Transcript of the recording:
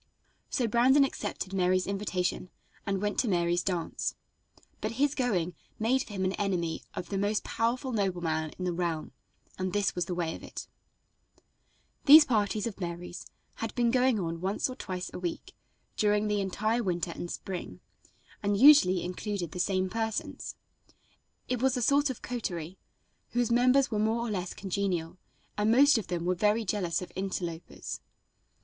So Brandon accepted Mary's invitation and went to Mary's dance, but his going made for him an enemy of the most powerful nobleman in the realm, and this was the way of it. These parties of Mary's had been going on once or twice a week during the entire winter and spring, and usually included the same persons. It was a sort of coterie, whose members were more or less congenial, and most of them very jealous of interlopers.